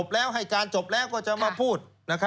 เป็นแล้วให้จารบจบแล้วจะมาพูด